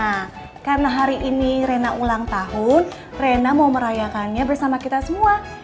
nah karena hari ini rena ulang tahun rena mau merayakannya bersama kita semua